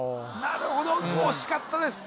なるほど惜しかったです・